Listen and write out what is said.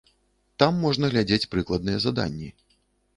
Там можна глядзець прыкладныя заданні.